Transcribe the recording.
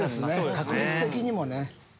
確率的にもね。